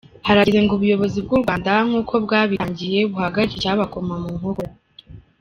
Harageze ngo ubuyobozi bw’ u Rwanda nk’ uko bwabitangiye buhagarike icyabakoma mu nkokora”.